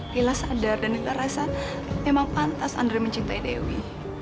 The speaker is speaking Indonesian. bila sadar dan kita rasa memang pantas andre mencintai dewi